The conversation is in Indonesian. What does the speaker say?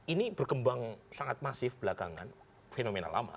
ini berkembang sangat masif belakangan fenomena lama